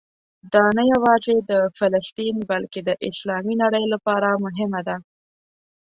دا نه یوازې د فلسطین بلکې د اسلامي نړۍ لپاره مهمه ده.